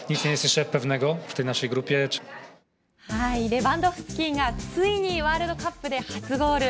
レバンドフスキがついにワールドカップで初ゴール。